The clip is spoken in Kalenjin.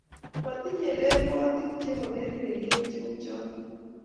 Matiyei lelwotik chebo berberyet cheuchotok